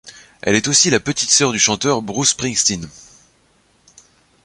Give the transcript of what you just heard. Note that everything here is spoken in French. Elle est aussi la petite sœur du chanteur Bruce Springsteen.